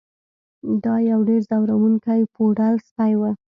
دا یو ډیر ځورونکی پوډل سپی و